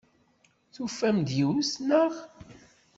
Tufamt-d yiwet, naɣ?